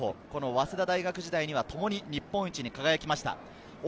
早稲田大学時代には共に日本一に輝きました。